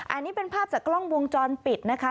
อันนี้เป็นภาพจากกล้องวงจรปิดนะคะ